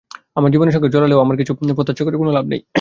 আমার জীবনের সঙ্গে জড়ালেও আমার কাছে কিছু প্রত্যাশা করে কোনো লাভ নেই।